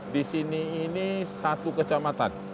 di sini ini satu kecamatan